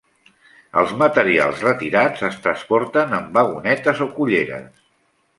Els materials retirats es transporten en vagonetes o culleres.